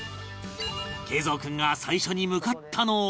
桂三君が最初に向かったのは